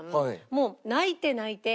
もう泣いて泣いて。